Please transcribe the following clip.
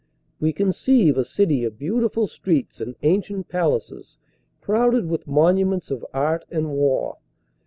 We conceive a city of beautiful streets and ancient palaces crowded with monuments of art and war.